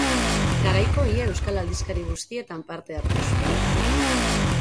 Garaiko ia euskal aldizkari guztietan parte hartu zuen.